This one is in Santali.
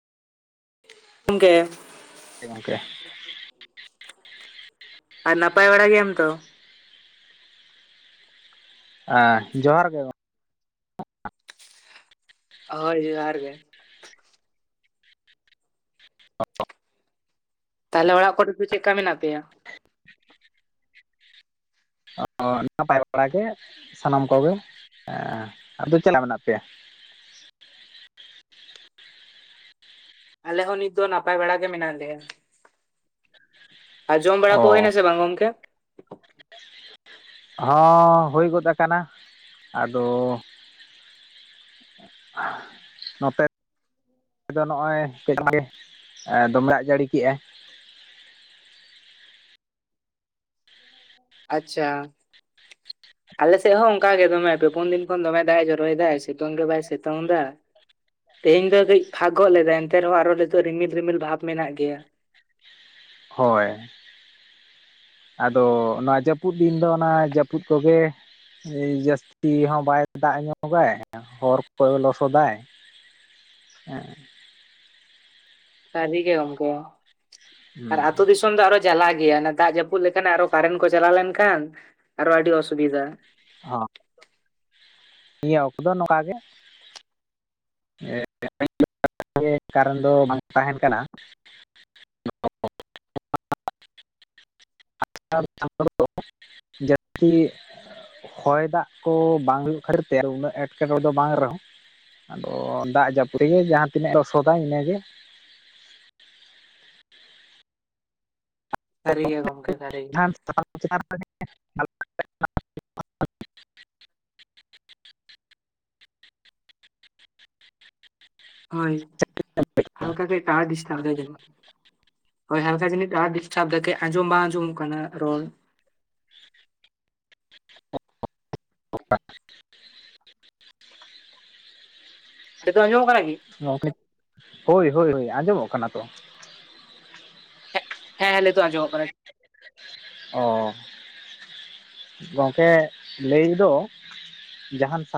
ᱜ [unintelligible] ᱜᱮ ᱾ ᱜᱚᱝᱠᱮ ᱾ ᱟᱨ ᱱᱟᱯᱟᱭ ᱵᱟᱲᱟ ᱜᱮᱭᱟᱢ ᱛᱚ? ᱟ ᱡᱚᱦᱟᱨ ᱜᱮ ᱜᱚᱝ ᱦᱳᱭ ᱡᱚᱦᱟᱨ ᱜᱮ [unintelligible] ᱛᱟᱦᱚᱞᱮ ᱚᱲᱟᱜ ᱠᱚᱨᱮ ᱫᱚ ᱪᱮᱫ ᱞᱮᱠᱟ ᱢᱮᱱᱟᱜ ᱯᱮᱭᱟ? ᱚ ᱱᱟᱯᱟᱭ ᱵᱟᱲᱟᱜ ᱜᱮ ᱥᱟᱱᱟᱢ ᱠᱚᱜᱮ ᱾ ᱦᱮᱸ ᱟᱫᱚ ᱪᱟᱞᱟᱜ ᱢᱮᱱᱟᱜ ᱯᱮᱭᱟ? ᱟᱞᱮ ᱦᱚᱸ ᱱᱤᱛ ᱫᱚ ᱱᱟᱯᱟᱭ ᱵᱮᱲᱟ ᱜᱮ ᱢᱮᱱᱟᱜ ᱞᱮᱭᱟ ᱾ ᱟᱨ ᱡᱚᱢ ᱵᱟᱲᱟ ᱠᱚ ᱚ ᱦᱩᱭᱱᱟᱥᱮ ᱵᱟᱝ ᱜᱚᱢᱠᱮ? ᱦᱚᱸ ᱦᱩᱭ ᱜᱚᱫ ᱟᱠᱟᱱᱟ ᱟᱫᱚ ᱱᱚᱛᱮ ᱟᱫᱚ ᱱᱚᱜᱼᱚᱭ [inaudible] ᱫᱚᱢᱮ ᱫᱟᱜ ᱡᱟᱹᱲᱤ ᱠᱮᱫᱼᱟᱭ ᱾ ᱟᱪᱪᱷᱟ ᱾ ᱟᱞᱮ ᱥᱮᱫ ᱦᱚᱸ ᱚᱱᱠᱟ ᱜᱮ ᱫᱚᱢᱮ ᱯᱮ ᱯᱳᱱ ᱫᱤᱱ ᱠᱷᱚᱱ ᱫᱚᱢᱮ ᱫᱟᱜ ᱮ ᱡᱚᱨᱚᱭ ᱫᱟ ᱥᱤᱛᱩᱝ ᱜᱮ ᱵᱟᱭ ᱥᱤᱛᱩᱝ ᱮᱫᱟ ᱾ ᱛᱮᱦᱮᱧ ᱫᱚ ᱠᱟᱹᱡ ᱯᱷᱟᱜᱚᱜ ᱞᱮᱫᱟ ᱮᱱᱛᱮ ᱨᱮᱦᱚᱸ ᱟᱨᱚ ᱱᱤᱛᱚᱜ ᱨᱤᱢᱤᱞ ᱨᱤᱢᱤᱞ ᱵᱷᱟᱵᱽ ᱢᱮᱱᱟᱜ ᱜᱮᱭᱟ ᱾ ᱦᱳᱭ ᱟᱫᱚ ᱱᱚᱣᱟ ᱡᱟᱹᱯᱩᱫ ᱫᱤᱱ ᱫᱚ ᱚᱱᱟ ᱡᱟᱹᱯᱩᱫ ᱠᱚᱜᱮ ᱾ ᱮᱭ ᱡᱟᱹᱥᱛᱤ ᱦᱚᱸ ᱵᱟᱭ ᱫᱟᱜ ᱧᱚᱜᱟᱭ ᱦᱚᱨ ᱠᱚᱭ ᱞᱚᱥᱚᱫᱟᱭ ᱾ ᱮᱸᱜ ᱮ ᱾ ᱥᱟᱹᱨᱤ ᱜᱮ ᱜᱚᱝᱠᱮ ᱟᱨ ᱟᱹᱛᱩ ᱫᱤᱥᱚᱢ ᱫᱚ ᱟᱨᱚ ᱡᱟᱞᱟ ᱜᱮᱭᱟ ᱫᱟᱜ ᱡᱟᱹᱯᱩᱫ ᱾ ᱨᱟᱹᱯᱩᱫ ᱞᱮᱠᱷᱟᱱ ᱟᱨᱚ ᱠᱟᱨᱮᱱᱴ ᱠᱚ ᱪᱟᱞᱟᱣ ᱞᱮᱱᱠᱷᱟᱱ ᱟᱨᱚ ᱟᱹᱰᱤ ᱚᱥᱩᱵᱤᱫᱷᱟ ᱾ ᱦᱚᱸ ᱾ ᱱᱤᱭᱟᱹ ᱚᱠᱛᱚ ᱫᱚ ᱱᱚᱝᱠᱟ ᱜᱮ ᱾ [inaudible] [inaudible] ᱠᱟᱨᱚᱱ ᱫᱚ ᱵᱟᱝ ᱛᱟᱦᱮᱱ ᱠᱟᱱᱟ [inaudible] [inaudible] ᱡᱟᱹᱥᱛᱤ ᱦᱚᱭ ᱫᱟᱜ ᱠᱚ ᱵᱟᱝ ᱦᱩᱭᱩᱜ ᱠᱷᱟᱹᱛᱤᱨ ᱛᱮ ᱩᱱᱟᱹᱜ ᱮᱴᱠᱮᱴᱚᱬᱮ ᱫᱚ ᱵᱟᱝ ᱨᱮᱦᱚᱸ ᱾ ᱟᱫᱚ ᱫᱟᱜ ᱡᱟᱹᱯᱩᱫ ᱜᱮ ᱡᱟᱦᱟᱸ ᱛᱤᱱᱟᱹᱜ ᱞᱚᱥᱚᱫᱟ ᱤᱱᱟᱹᱜᱮ ᱾ ᱥᱟᱹᱨᱤ ᱜᱮ ᱜᱚᱢᱠᱮ ᱥᱟᱹᱨᱤ ᱜᱮ ᱾ ᱛᱯ ᱪ [inaudible] ᱦᱳᱭ ᱦᱟᱞᱠᱟ ᱠᱟᱹᱡ ᱴᱟᱣᱟᱨ ᱫᱤᱥᱛᱟᱵ ᱮᱫᱟ ᱡᱟᱹᱱᱤᱡ ᱾ ᱦᱳᱭ ᱦᱟᱞᱠᱟ ᱡᱤᱱᱤᱥ ᱴᱟᱣᱟᱨ ᱰᱤᱥᱴᱟᱵ ᱫᱟᱭ ᱠᱟᱹᱡ ᱟᱸᱡᱚᱢ ᱵᱟᱝ ᱟᱸᱡᱚᱢᱚᱜ ᱟᱠᱟᱱᱟ ᱨᱚᱲ ᱾ [inaudible] ᱱᱤᱛᱚᱜ ᱟᱸᱡᱚᱢᱚᱜ ᱠᱟᱱᱟ ᱠᱤ? ᱜᱚᱝᱠᱮ ᱦᱳᱭ ᱦᱳᱭ ᱦᱳᱭ ᱟᱸᱡᱚᱢᱚᱜ ᱠᱟᱱᱟ ᱛᱚ ᱾ ᱮ ᱦᱮᱸ ᱦᱮᱸ, ᱱᱮᱛᱚᱜ ᱟᱸᱡᱚᱢᱚᱜ ᱠᱟᱱᱟ᱾ ᱚ᱾ ᱜᱚᱝᱠᱮ ᱞᱟᱹᱭ ᱫᱚ ᱡᱟᱦᱟᱸᱱ ᱥᱟ